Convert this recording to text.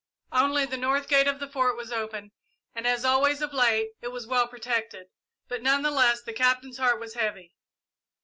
Only the north gate of the Fort was open, and, as always of late, it was well protected; but, none the less, the Captain's heart was heavy.